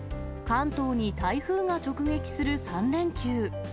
関東に台風が直撃する３連休。